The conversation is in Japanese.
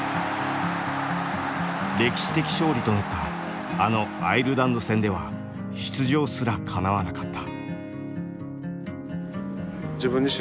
歴史的勝利となったあのアイルランド戦では出場すらかなわなかった。